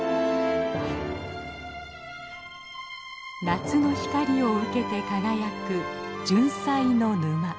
夏の光を受けて輝くジュンサイの沼。